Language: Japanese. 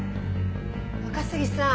若杉さん。